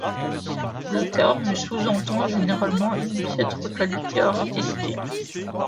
Le terme sous-entend généralement une piètre qualité artistique.